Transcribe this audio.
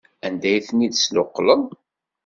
Anda ay ten-id-tessuqqleḍ?